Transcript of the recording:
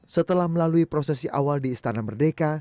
setelah melalui prosesi awal di istana merdeka